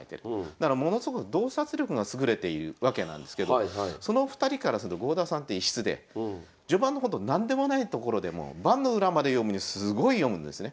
だからものすごく洞察力が優れているわけなんですけどその２人からすると郷田さんって異質で序盤のほんと何でもないところでも盤の裏まで読むすごい読むんですね。